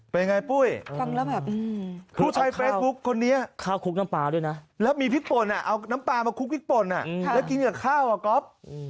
เป็นไงปุ้ยผู้ใช้เฟสบุ๊คคนนี้แล้วมีพริกป่นเอาน้ำปลามาคลุกพริกป่นแล้วกินกับข้าวครับก๊อฟ